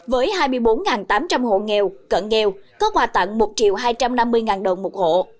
với hai mươi bốn tám trăm linh hộ nghèo cận nghèo có quà tặng một hai trăm năm mươi đồng một hộ